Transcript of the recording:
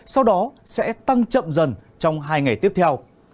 sau đó sẽ tăng chậm dần trong hai ngày tiếp theo